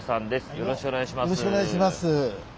よろしくお願いします。